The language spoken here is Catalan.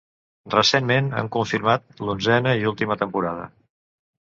Recentment, han confirmat l'onzena i última temporada.